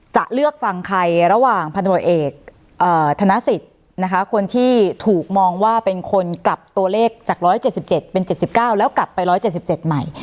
จะเลือกฟังใครระหว่างพันธุรกิจเอกธนสิทธิ์นะคะคนที่ถูกมองว่าเป็นคนกลับตัวเลขจาก๑๗๗เป็น๗๙แล้วกลับไป๑๗๗ใหม่